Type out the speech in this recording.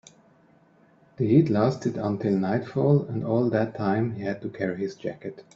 The heat lasted until nightfall, and all that time he had to carry his jacket.